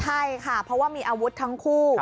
ใช่ค่ะเพราะว่ามีอาวุธทั้งคู่